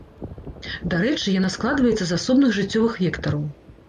Дарэчы, яна складваецца з асобных жыццёвых вектараў.